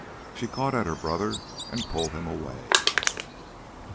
She caught at her brother and pulled him away.